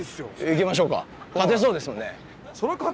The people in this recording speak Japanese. いきましょうか。